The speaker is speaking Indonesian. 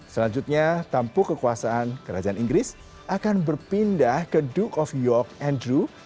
selanjutnya tampu kekuasaan kerajaan inggris akan berpindah ke duke of yop andrew